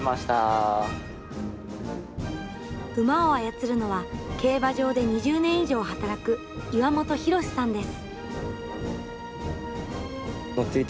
馬を操るのは、競馬場で２０年以上働く岩本浩さんです。